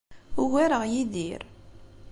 Ugareɣ Yidir.